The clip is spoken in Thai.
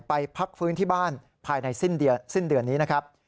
พักฟื้นที่บ้านภายในสิ้นเดือนนี้นะครับ